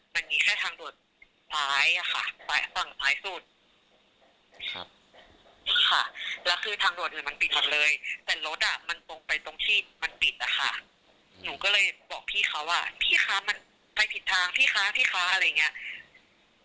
มันปิดกันเลยแต่รถมันตรงไปตรงที่มันปิดอะค่ะหนูก็เลยบอกพี่เขาว่าพี่คะมันไปผิดทางพี่คะพี่คะอะไรอย่างนี้